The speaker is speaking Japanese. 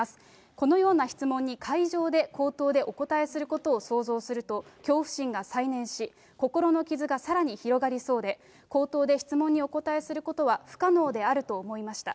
このような質問に会場で口頭でお答えすることを想像すると、恐怖心が再燃し、心の傷がさらに広がりそうで、口頭で質問にお答えすることは不可能であると思いました。